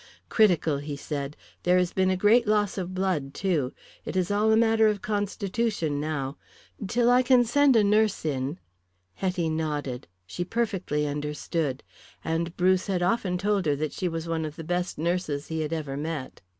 "Critical," he said. "There has been a great loss of blood, too. It is all a matter of constitution now. Till I can send a nurse in " Hetty nodded. She perfectly understood. And Bruce had often told her that she was one of the best nurses he had ever met.